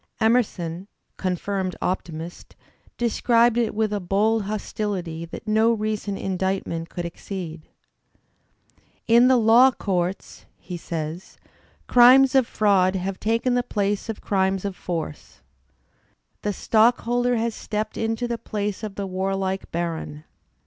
Emerson, confirmed optimist, describes it with a bold hostility that no recent indictment could exceed. "In the law courts," he says, "crimes of fraud have taken the place of crimes of force. Digitized by Google 48 THE SPIRIT OF AMERICAN LITERATURE The stockholder has stepped into the place of the warlike baron.